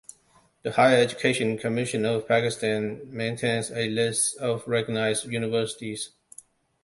The Higher Education Commission of Pakistan maintains a list of recognized universities.